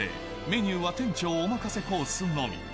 メニューは店長お任せコースのみ。